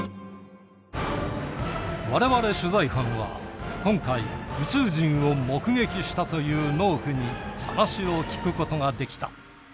我々取材班は今回宇宙人を目撃したという農夫に話を聞くことができた。